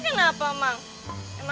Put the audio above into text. neng aku mau ambil